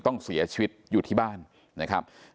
ต้องเสียชีวิตอยู่ที่บ้านนะครับ